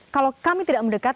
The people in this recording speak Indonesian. kalau kami tidak mendekat